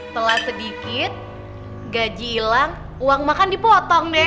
setelah sedikit gaji hilang uang makan dipotong deh